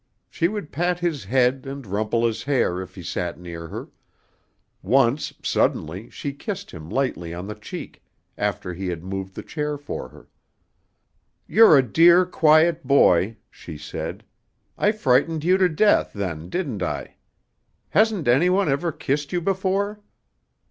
She would pat his head and rumple his hair if he sat near her; once, suddenly, she kissed him lightly on the cheek, after he had moved the chair for her. "You're a dear, quiet boy," she said. "I frightened you to death, then, didn't I? Hasn't anyone ever kissed you before?"